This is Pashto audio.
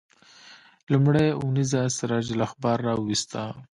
لومړۍ اونیزه سراج الاخبار راوویسته.